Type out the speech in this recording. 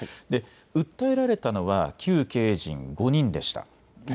訴えられたのは、旧経営陣５人でした。